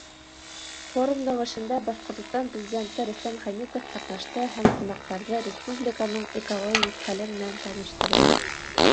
Форумдың эшендә Башҡортостан Президенты Рөстәм Хәмитов ҡатнашты һәм ҡунаҡтарҙы республиканың экологик хәле менән таныштырҙы.